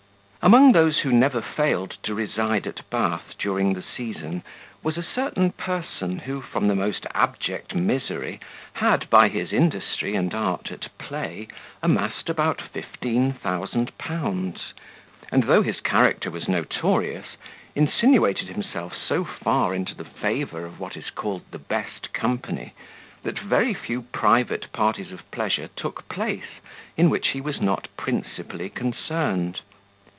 Among those who never failed to reside at Bath during the season, was a certain person, who, from the most abject misery, had, by his industry and art at play, amassed about fifteen thousand pounds; and though his character was notorious, insinuated himself so far into the favour of what is called the best company, that very few private parties of pleasure took place in which he was not principally concerned.